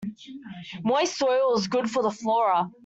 Moist soil is good for the flora.